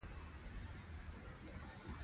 تنوع د افغانستان د موسم د بدلون سبب کېږي.